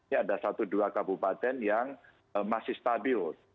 ya ada satu dua kabupaten yang masih stabil